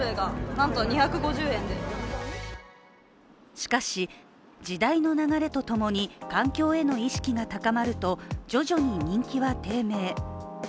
しかし時代の流れとともに環境への意識が高まると、徐々に人気は低迷。